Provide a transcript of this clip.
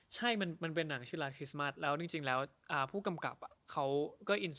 ใช่มันมันเป็นหนังชื่อแล้วจริงจริงแล้วอ่าผู้กำกับอ่ะเขาก็